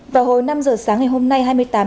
và hồi năm giờ sáng ngày hôm nay hai mươi tám tháng